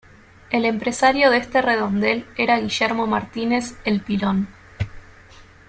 El empresario de este redondel era Guillermo Martínez "El Pilón".